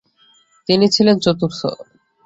তিনি ছিলেন চতুর্থ।